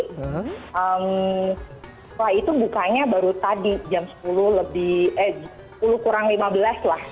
setelah itu bukanya baru tadi jam sepuluh lebih eh sepuluh kurang lima belas lah